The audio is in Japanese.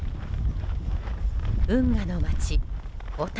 運河の街、小樽。